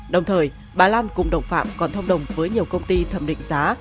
đồng thời bà lan cùng đồng phạm còn thông đồng với nhiều công ty thẩm định giá